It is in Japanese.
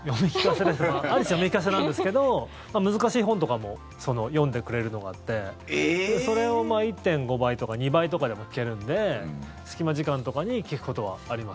ある種読み聞かせなんですが難しい本とかも読んでくれるのがあってそれを１．５倍とか２倍とかでも聞けるので隙間時間とかに聞くことはあります。